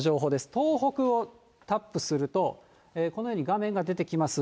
東北をタップすると、このように画面が出てきます。